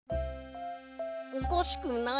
おかしくない？